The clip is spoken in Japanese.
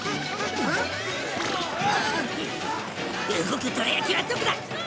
動くどら焼きはどこだ！？